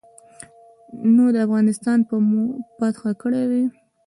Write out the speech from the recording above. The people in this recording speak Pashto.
نو افغانستان به مو فتح کړی وای.